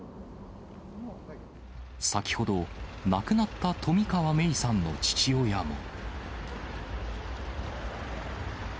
先ほど、亡くなった冨川芽生さんの父親も。